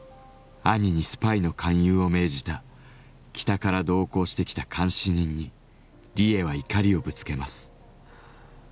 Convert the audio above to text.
兄にスパイの勧誘を命じた北から同行してきた監視人にリエは怒りをぶつけます。